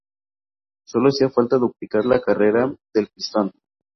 Sólo hacía falta duplicar la carrera del pistón.